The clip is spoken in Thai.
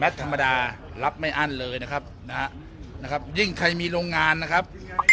ธรรมดารับไม่อั้นเลยนะครับนะฮะยิ่งใครมีโรงงานนะครับ